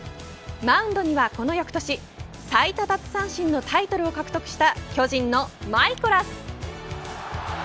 マウンドにはこの翌年最多奪三振のタイトルを獲得した巨人のマイコラス。